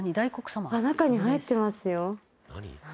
あっ中に入ってますよ。